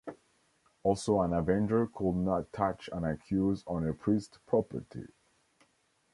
Also, an avenger could not touch an accused on a priest's property.